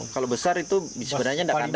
kalau besar itu sebenarnya tidak kandas ya